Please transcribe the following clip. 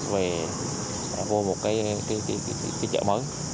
về vô một cái chợ mới